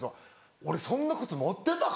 俺そんな靴持ってたか？